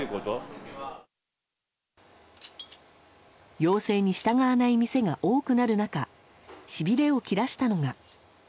要請に従わない店が多くなる中しびれを切らしたのが。